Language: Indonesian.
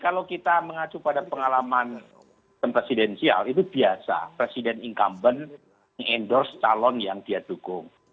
kalau kita mengacu pada pengalaman presidensial itu biasa presiden incumbent mengendorse calon yang dia dukung